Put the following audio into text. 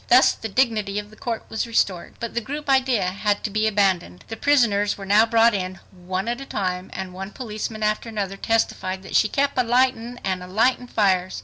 Thus the dignity of the court was restored. But the group idea had to be abandoned. The prisoners were now brought in one at a time, and one policeman after another testified that, "she kep' alightin' and alightin' fires."